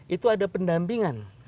itu ada pendampingan